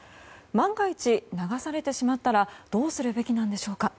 万が一、流されてしまったらどうするべきなんでしょうか。